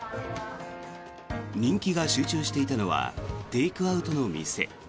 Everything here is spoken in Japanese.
人気が集中していたのはテイクアウトの店。